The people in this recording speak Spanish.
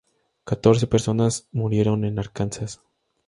Catorce personas murieron en Arkansas.